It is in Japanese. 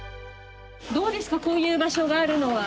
どうですかこういう場所があるのは？